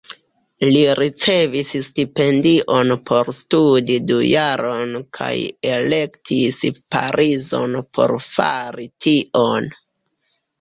Li ricevis stipendion por studi du jarojn kaj elektis Parizon por fari tion.